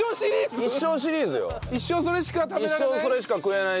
一生それしか食べられない。